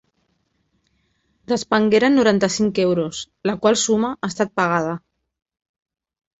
Despengueren noranta-cinc euros, la qual suma ha estat pagada...